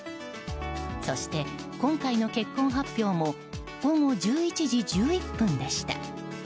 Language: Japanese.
そして、今回の結婚発表も午後１１時１１分でした。